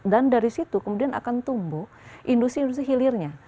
dan dari situ kemudian akan tumbuh industri industri hilirnya